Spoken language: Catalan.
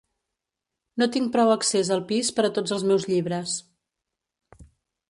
No tinc prou accés al pis per a tots els meus llibres.